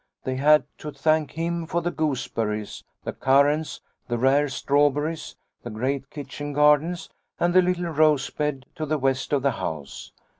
They had to thank him for the gooseberries, the currants, the rare strawberries, the great kitchen garden and the little rose bed to the west of the house.